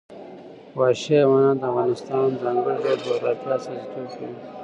وحشي حیوانات د افغانستان د ځانګړي ډول جغرافیه استازیتوب کوي.